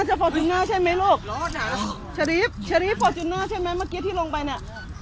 เชอรีฟเชอรีฟฝอร์จุนาใช่ไหมเมื่อกี้ที่ลงไปนะ